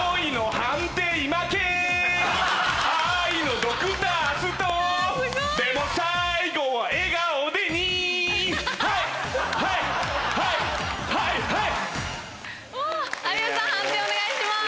判定お願いします。